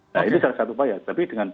nah ini salah satu upaya tapi dengan